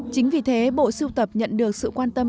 chính vì thế bộ siêu tập nhận được sự quan tâm